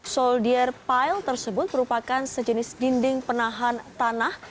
soldier pile tersebut merupakan sejenis dinding penahan tanah